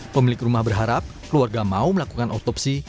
pemilik rumah berharap keluarga mau melakukan otopsi